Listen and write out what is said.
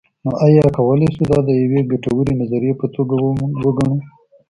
نو ایا کولی شو دا د یوې ګټورې نظریې په توګه وګڼو.